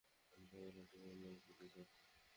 আমি তাকে গলা টিপে মেরে ফেলতে চাই।